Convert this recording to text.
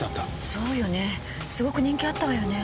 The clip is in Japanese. そうよねすごく人気あったわよね。